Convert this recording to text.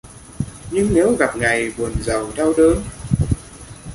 Nhưng nếu gặp ngày buồn rầu đau đớn